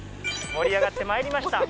盛り上がって参りました。